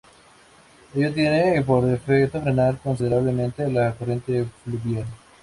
Ello tiene por efecto frenar considerablemente la corriente fluvial.